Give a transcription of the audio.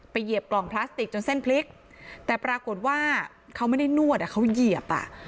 เหยียบกล่องพลาสติกจนเส้นพลิกแต่ปรากฏว่าเขาไม่ได้นวดอ่ะเขาเหยียบอ่ะ